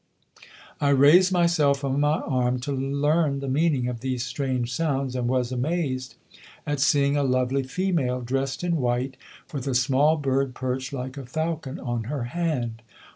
I raised myself on my arm to learn the meaning of these strange sounds, and was amazed at seeing a lovely female, dressed in white, with a small bird perched like a falcon on her hand.